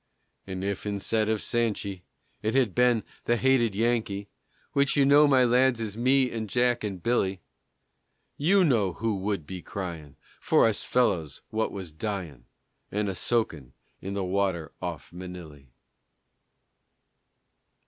And if instead of Sanchy, It had been "the hated Yankee," Which you know, my lads, is me and Jack, and Billy, You know who would be cryin' For us fellers, what was dyin' And a soakin' in the water off Manilly.